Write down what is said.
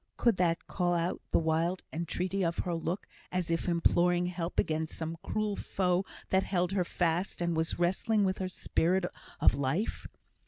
Could that call out the wild entreaty of her look, as if imploring help against some cruel foe that held her fast, and was wrestling with her Spirit of Life?